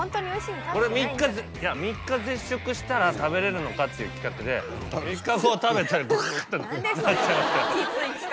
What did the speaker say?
俺３日絶食したら食べれるのかっていう企画で３日後食べたらオエってなっちゃいました。